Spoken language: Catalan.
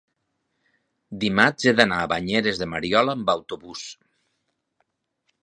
Dimarts he d'anar a Banyeres de Mariola amb autobús.